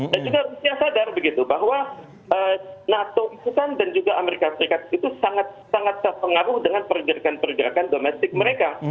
dan juga rusia sadar begitu bahwa nato itu kan dan juga amerika serikat itu sangat terpengaruh dengan pergerakan pergerakan domestik mereka